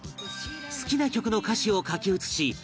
好きな曲の歌詞を書き写し